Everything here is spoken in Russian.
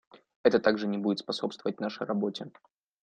Это также не будет способствовать нашей работе.